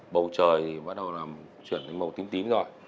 bầu trời bắt đầu là chuyển màu tím tím rồi